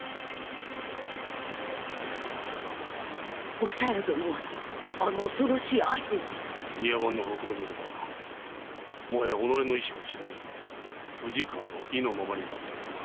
お小夜殿があの恐ろしい阿片に⁉庭番の報告によればもはやおのれの意志を失い藤川の意のままになっているとか。